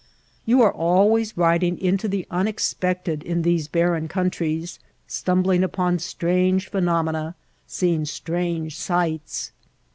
You are always riding into the unexpected in these barren countries, stumbling upon strange phenomena, seeing strange sights.